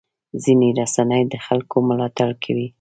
ځینې رسنۍ د خلکو ملاتړ کوي.